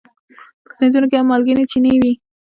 په سیندونو کې هم مالګینې چینې وي.